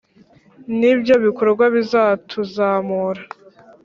ni ibyo bikorwa bizatuzamura